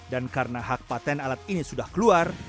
dan karena hak patent alat ini sudah keluar